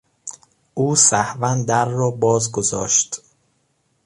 او سهوا در را باز گذاشت.